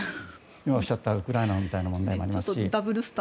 今おっしゃったウクライナの問題もありますし。